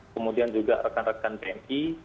kemudian juga rekan rekan pmi